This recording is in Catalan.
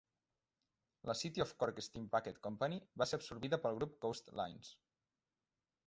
La City of Cork Steam Packet Company va ser absorbida pel grup Coast Lines.